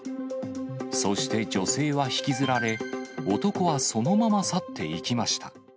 そして女性は引きずられ、男はそのまま去っていきました。